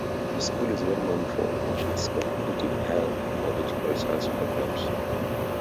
The school is well known for its competitive Heath and Biological Science programs.